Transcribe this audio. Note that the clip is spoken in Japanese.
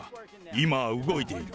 今は動いている。